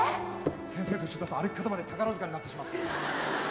先生と一緒だと歩き方まで宝塚になってしまった。